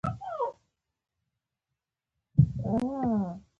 ځکه دا د حده ډیر ډیر به تاسو